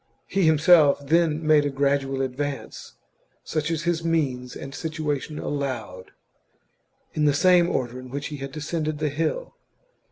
He himself then made a gradual advance, such as his means and situation allowed, in the same order in which he had descended the hill.